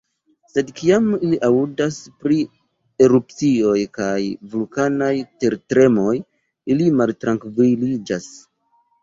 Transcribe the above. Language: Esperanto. Sed kiam ili aŭdas pri erupcioj kaj vulkanaj tertremoj, ili maltrankviliĝas.